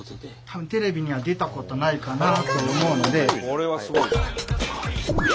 これはすごいな。